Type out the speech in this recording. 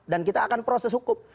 dan kita akan proses hukum